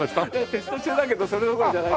テスト中だけどそれどころじゃない。